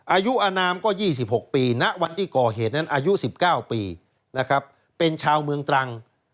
อายุอนามก็๒๖ปีณวันที่ก่อเหตุนั้นอายุ๑๙ปีนะครับเป็นชาวเมืองตรัง